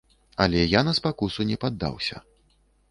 Але я на спакусу не паддаўся.